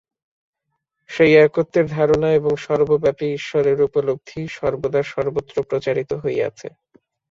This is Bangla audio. সেই একত্বের ধারণা এবং সর্বব্যাপী ঈশ্বরের উপলব্ধিই সর্বদা সর্বত্র প্রচারিত হইয়াছে।